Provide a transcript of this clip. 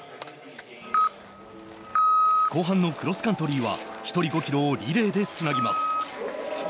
後半のクロスカントリーは１人５ｋｍをリレーでつなぎます。